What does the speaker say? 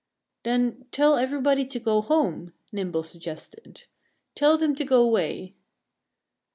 "Then tell everybody to go home!" Nimble suggested. "Tell them to go 'way!"